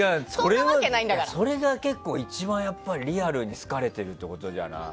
それが結構一番リアルに好かれてるってことじゃない。